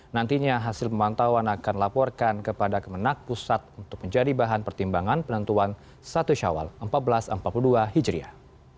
nantinya hasil pemantauan akan dilaporkan kepada kemenak pusat untuk menjadi bahan pertimbangan penentuan satu syawal seribu empat ratus empat puluh dua hijriah